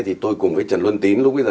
thì tôi cùng với trần luân tín